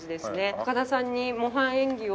高田さんに模範演技を。